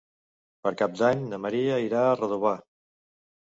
Per Cap d'Any na Maria irà a Redovà.